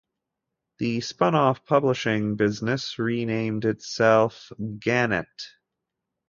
The spun-off publishing business renamed itself "Gannett".